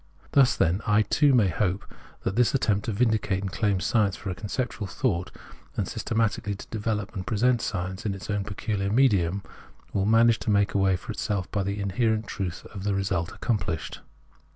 Thus, then, I too may hope that this attempt to vindicate and claim science for conceptual thought, and systematically to develop and present science in this its own pecuhar medium, will manage to make a way for itself by the inherent truth of the result accomphshed.